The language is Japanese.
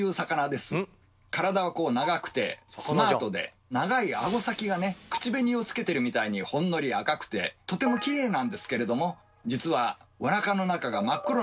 体は長くてスマートで長いあご先がね口紅をつけてるみたいにほんのり赤くてとてもきれいなんですけれども実はおなかの中が真っ黒なんですよ。